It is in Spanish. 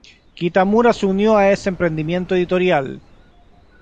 Kitamura se unió a ese emprendimiento editorial.